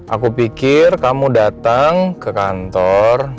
aku pikir kamu datang ke kantor